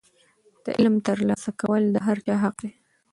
د علم ترلاسه کول د هر چا حق دی.